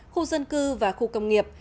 khu dân cư và khu công nghiệp